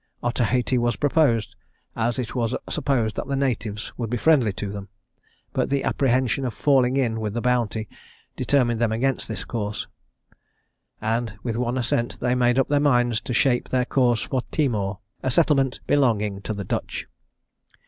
Otaheite was proposed, as it was supposed that the natives would be friendly to them; but the apprehension of falling in with the Bounty determined them against this course; and with one assent they made up their minds to shape their course for Timor, a settlement belonging to the Dutch.